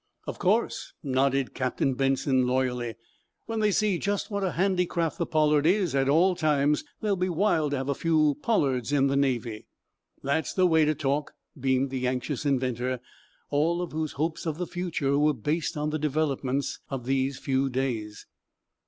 "Of course," nodded Captain Benson, loyally. "When they see just what a handy craft the 'Pollard' is at all times, they'll be wild to have a few 'Pollards' in the Navy." "That's the way to talk," beamed the anxious inventor, all of whose hopes of the future were based on the developments of these few days.